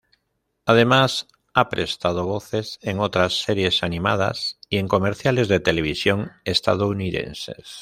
Además ha prestado voces en otras series animadas, y en comerciales de televisión estadounidenses.